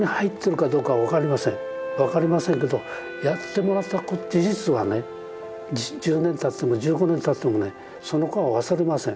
分かりませんけどやってもらった事実はね１０年たっても１５年たってもねその子は忘れません。